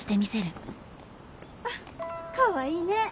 あっかわいいね。